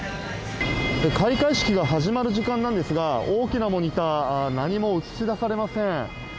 開会式が始まる時間なんですが大きなモニター何も映し出されません。